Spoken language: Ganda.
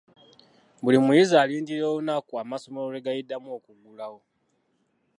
Buli muyizi alindirira olunaku amasomero lwe galiddamu okuggulawo.